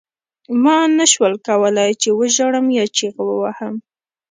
ما نشول کولای چې وژاړم یا چیغې ووهم